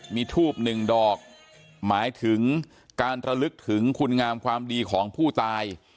มีทูบหนึ่งดอกหมายถึงการระลึกถึงคุณงามความดีของผู้ตาย